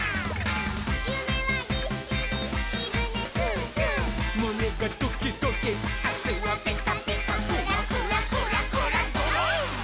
「ゆめはぎっしりひるねすーすー」「むねがドキドキ」「あすはピカピカ」「クラクラクラクラドロン！」